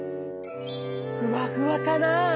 ふわふわかな？